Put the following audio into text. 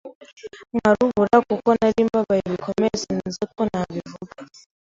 nkarubura kuko nari mbabaye bikomeye sinzi uko nabivuga